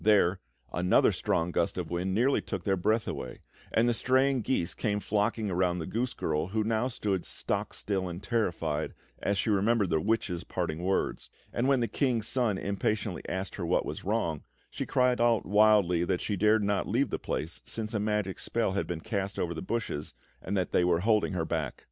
There, another strong gust of wind nearly took their breath away, and the straying geese came flocking around the goose girl, who now stood stock still and terrified, as she remembered the witch's parting words; and when the King's Son impatiently asked her what was wrong, she cried out wildly that she dared not leave the place, since a magic spell had been cast over the bushes and that they were holding her back.